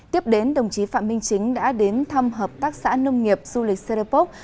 tiếp đến đồng chí phạm minh chính đã đến thăm hợp tác xã nông nghiệp du lịch cropoc